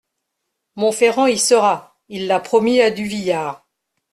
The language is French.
Monferrand y sera, il l'a promis à Duvillard.